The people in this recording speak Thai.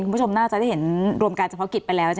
คุณผู้ชมน่าจะได้เห็นรวมการจับครอบคริสต์ไปแล้ว